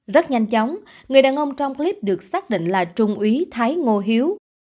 rất nhanh chóng người đàn ông trong clip được xác định là trung úy thái ngô hiếu